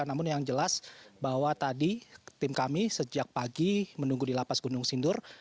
namun yang jelas bahwa tadi tim kami sejak pagi menunggu di lapas gunung sindur